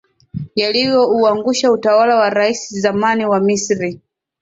yaliyo uangusha utawala wa rais zamani wa misri